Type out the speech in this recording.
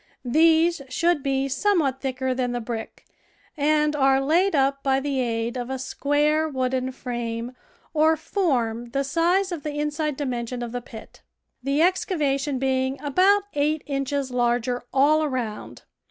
These should be somewhat thicker than the brick, and are laid up by the aid of a square wooden frame or form the size of the inside dimension of the pit, the excavation being about eight inches larger all around.